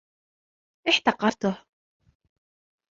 احتقرته.